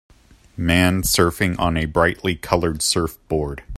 Man surfing on a brightly colored surfboard.